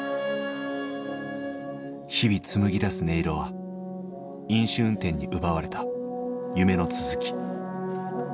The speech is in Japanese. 日々紡ぎ出す音色は飲酒運転に奪われた夢の続き。